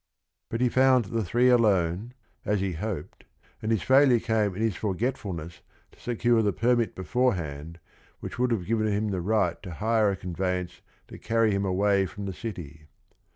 But he found the three alone, as he hoped, and his failure came in his forgetfulness to secure the permit beforehand which would have given him the right to hire a conveyance to carry him away from the city.